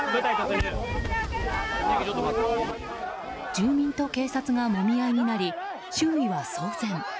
住民と警察がもみ合いになり周囲は騒然。